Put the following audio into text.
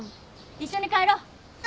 一緒に帰ろう。